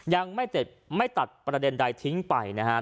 ยังไม่ตัดประเด็นใดทิ้งไปนะครับ